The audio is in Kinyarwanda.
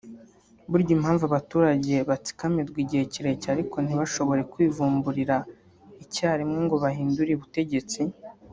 Burya impamvu abaturage batsikamirwa igihe kirekire ariko ntibashobore kwivumburira icyarimwe ngo bahindure ubutegetsi